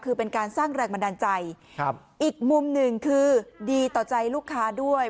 คือเป็นการสร้างแรงบันดาลใจครับอีกมุมหนึ่งคือดีต่อใจลูกค้าด้วย